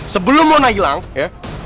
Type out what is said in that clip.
sebelum mona hilang ya